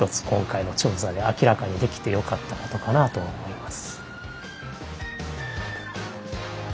今回の調査で明らかにできてよかったことかなと思います。